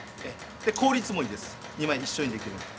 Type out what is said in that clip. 効率もいいです